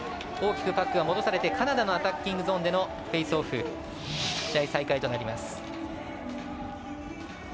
大きくパックが戻されてカナダのアタッキングゾーンでのフェイスオフ試合再開となります。